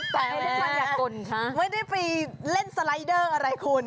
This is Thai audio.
แต่ไม่ได้ไปเล่นสไลด์เดอร์อะไรคุณ